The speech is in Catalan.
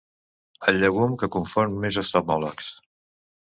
El llegum que confon més oftalmòlegs.